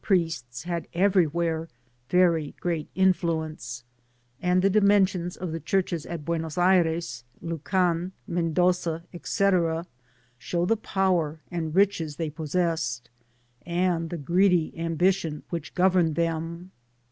S5 priests had everywhere very great influence; and the dimensions of the churches at Buenos Aires, Lucan, Mendoza, &c., show the power and riches they possessed, and the greedy ambition which governed them.